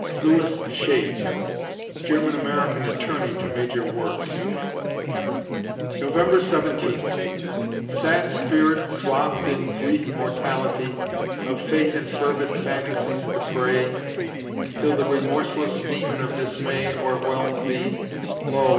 LEWIS SCHADE (German American Attorney to Major Wirz) November Seventeenth Sad spirit, swathed in brief mortality, Of Fate and fervid fantasies the prey, Till the remorseless demon of dismay O'erwhelmed thee lo!